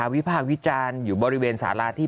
วิพากษ์วิจารณ์อยู่บริเวณสาราที่